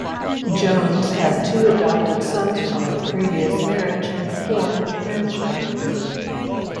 Jones had two adopted sons from a previous marriage, and four grandchildren.